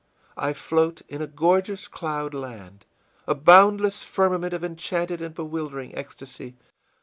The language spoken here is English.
I float in a gorgeous cloud land, a boundless firmament of enchanted and bewildering ecstasy!